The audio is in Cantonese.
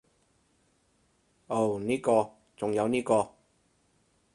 噢呢個，仲有呢個